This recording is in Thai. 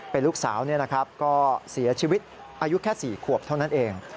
เป็นลูกสาวก็เสียชีวิตอายุแค่๔ขวบเท่านั้นเอง